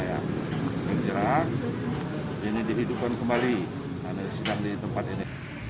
efek kira ini dihidupkan kembali karena sidang di tempat ini